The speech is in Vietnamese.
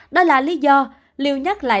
đó là lý do liều nhắc lại